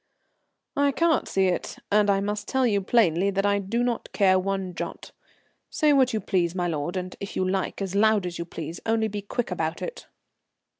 "I can't see it, and I must tell you plainly that I do not care one jot. Say what you please, my lord, and, if you like, as loud as you please, only be quick about it."